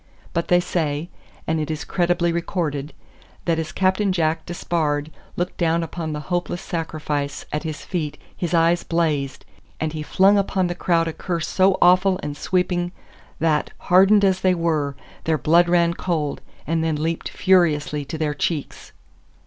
But they say and it is credibly recorded that as Captain Jack Despard looked down upon the hopeless sacrifice at his feet his eyes blazed, and he flung upon the crowd a curse so awful and sweeping that, hardened as they were, their blood ran cold, and then leaped furiously to their cheeks.